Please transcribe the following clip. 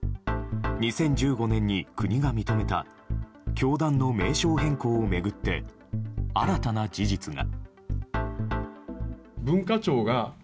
２０１５年に国が認めた教団の名称変更を巡って新たな事実が。